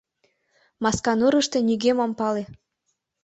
Масканурышто нигӧм ом пале.